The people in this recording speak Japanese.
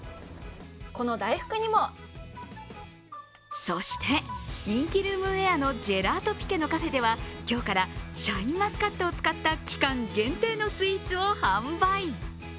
この大福にもそして、人気ルームウェアのジャラートピケのカフェでは今日からシャインマスカットを使った期間限定のスイーツを販売。